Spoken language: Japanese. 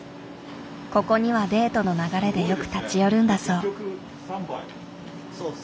ここにはデートの流れでよく立ち寄るんだそう。